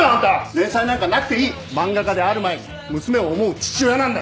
連載なんかなくていい漫画家である前に娘を思う父親なんだ